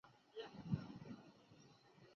是佛教徒的庵堂。